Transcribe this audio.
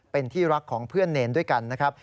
เป็นที่รักของเพื่อนเนรด้วยกันนะครับ